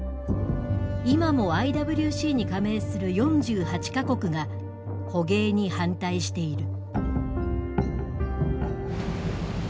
今もＩＷＣに加盟する４８か国が捕鯨に反対している。